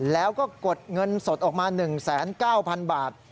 แล้วก็กดเงินสดออกมา๑๙๐๐๐บาท